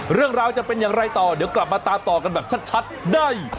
เรื่องราวจะเป็นอย่างไรต่อเดี๋ยวกลับมาตามต่อกันแบบชัดได้